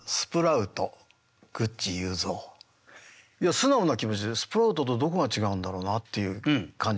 素直な気持ちでスプラウトとどこが違うんだろうなっていう感じですね。